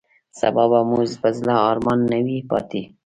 سبا به مو پر زړه ارمان نه وي پاتې.